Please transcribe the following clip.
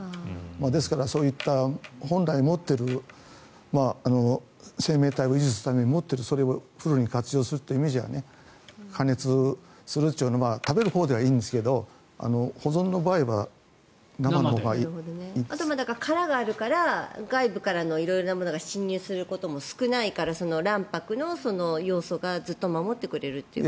ですからそういった本来持っている生命体を維持するために持ってるそれをフルに活用するという意味では加熱するというのは食べるほうではいいんですけど殻があるから外部からの色々なものが侵入することが少ないから卵白の要素がずっと守ってくれると。